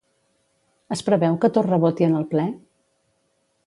Es preveu que Torra voti en el ple?